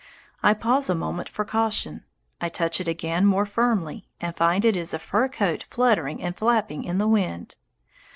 I pause a moment for caution. I touch it again more firmly, and find it is a fur coat fluttering and flapping in the wind.